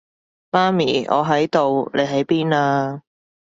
媽咪，我喺度，你喺邊啊？